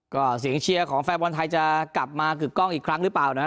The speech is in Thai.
ก็เสียงเชียร์ของแฟนบอลไทยจะกลับมากึกกล้องอีกครั้งหรือเปล่านะครับ